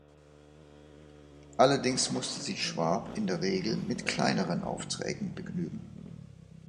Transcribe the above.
Allerdings musste sich Schwab in der Regel mit kleineren Aufträgen begnügen.